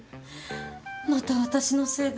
また私のせいだ。